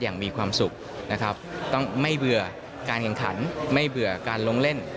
มีความสุขนะครับต้องไม่เบื่อการแข่งขันไม่เบื่อการลงเล่น